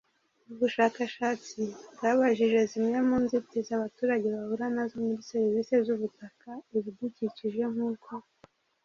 Ubu bushakashatsi bwabajije zimwe mu nzitizi abaturage bahura nazo muri serivisi z ubutaka ibidukikije nk uko